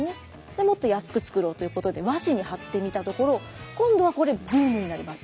もっと安く作ろうということで和紙に貼ってみたところ今度はこれブームになります。